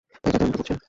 তাই চাচা এমনটা করছে।